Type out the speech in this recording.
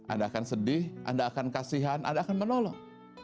anda akan sedih anda akan kasihan anda akan menolong